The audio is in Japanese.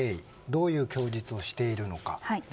どういう供述をしているのか。